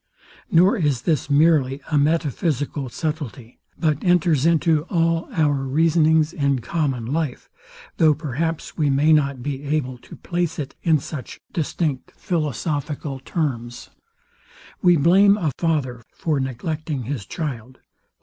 Nor is this merely a metaphysical subtilty; but enters into all our reasonings in common life, though perhaps we may not be able to place it in such distinct philosophical terms. We blame a father for neglecting his child.